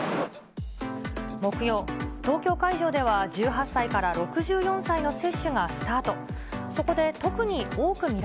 木曜、東京会場では、１８歳から６４歳の接種がスタート。